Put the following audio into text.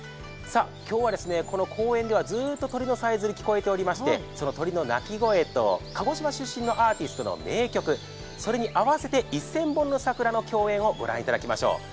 今日はこの公園ではずっと鳥のさえずりが聞こえていましてその鳥の鳴き声と、鹿児島出身のアーティストの名曲、それに合わせて１０００本の桜の共演を御覧いただきましょう。